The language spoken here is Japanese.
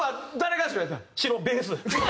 白ベース。